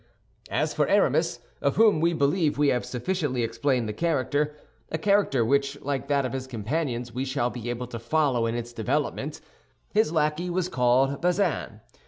As for Aramis, of whom we believe we have sufficiently explained the character—a character which, like that of his companions, we shall be able to follow in its development—his lackey was called Bazin.